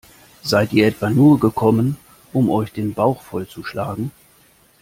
Seid ihr etwa nur gekommen, um euch den Bauch voll zu schlagen?